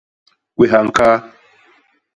Kwéha ñkaa.